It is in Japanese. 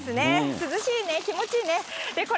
涼しいね、気持ちいいね。